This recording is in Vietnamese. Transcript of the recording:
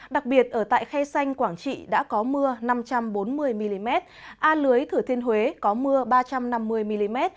đặc biệt ở tại khay xanh quảng trị đã có mưa năm trăm bốn mươi mm a lưới thử thiên huế có mưa ba trăm năm mươi mm